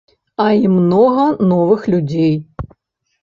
А і многа новых людзей.